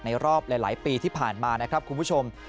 รอบหลายปีที่ผ่านมานะครับคุณผู้ชม